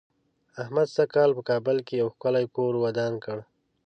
احمد سږ کال په کابل کې یو ښکلی کور ودان کړ.